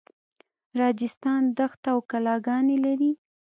راجستان دښته او کلاګانې لري.